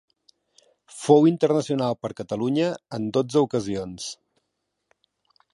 Fou internacional per Catalunya en dotze ocasions.